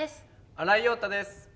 新井庸太です。